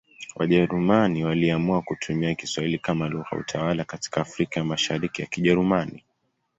Wajerumani waliamua kutumia Kiswahili kama lugha ya utawala katika Afrika ya Mashariki ya Kijerumani.